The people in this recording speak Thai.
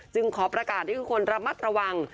จึงขอประกาศที่คุณคนระมัดระวัง